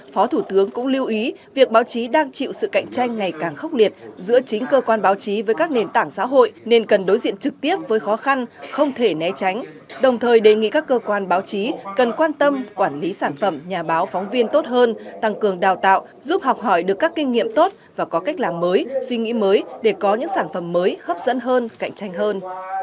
phó thủ tướng cũng lưu ý việc báo chí đang chịu sự cạnh tranh ngày càng khốc liệt giữa chính cơ quan báo chí với các nền tảng xã hội nên cần đối diện trực tiếp với khó khăn không thể né tránh đồng thời đề nghị các cơ quan báo chí cần quan tâm quản lý sản phẩm nhà báo phóng viên tốt hơn tăng cường đào tạo giúp học hỏi được các kinh nghiệm tốt và có cách làm mới suy nghĩ mới để có những sản phẩm mới hấp dẫn hơn cạnh tranh hơn